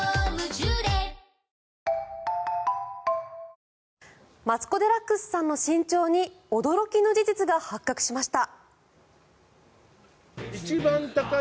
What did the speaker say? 北村一輝さんやマツコ・デラックスさんの身長に驚きの事実が発覚しました。